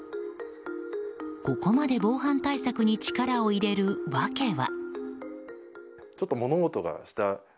ここまで防犯対策に力を入れる訳は。